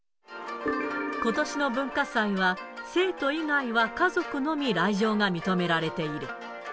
ことしの文化祭は、生徒以外は家族のみ来場が認められている。